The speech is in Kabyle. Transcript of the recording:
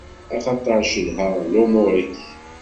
Axaṭer cedhaɣ lumur-ik.